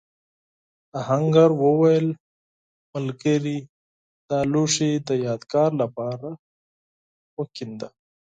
آهنګر وویل ملګري دا لوښی د یادگار لپاره وکېنده.